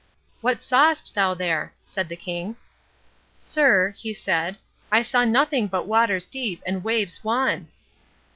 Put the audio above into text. "What sawest thou there?" said the king. "Sir," he said, "I saw nothing but waters deep and waves wan."